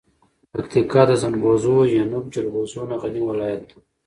پکتیکا د زنغوزو یعنب جلغوزو نه غنی ولایت ده.